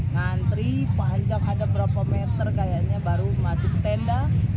ngantri panjang ada berapa meter kayaknya baru masuk tenda